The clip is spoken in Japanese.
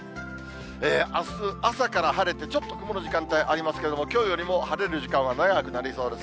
あす朝から晴れて、ちょっと曇る時間帯ありますけれども、きょうよりも晴れる時間は長くなりそうです。